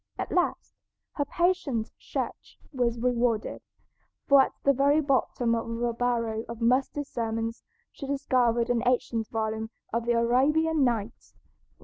At last her patient search was rewarded, for at the very bottom of a barrel of musty sermons she discovered an ancient volume of "The Arabian Nights."